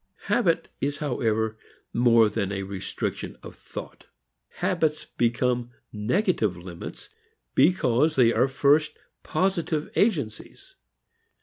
Habit is however more than a restriction of thought. Habits become negative limits because they are first positive agencies.